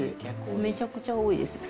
めちゃくちゃ多いです。